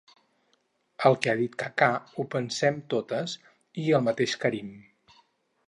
El que ha dit Kaká ho pensem totes i el mateix Karim.